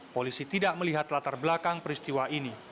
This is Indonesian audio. polisi tidak melihat latar belakang peristiwa ini